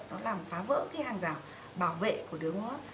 nó làm phá vỡ cái hàng rào bảo vệ của đường hô hấp